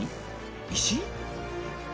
石？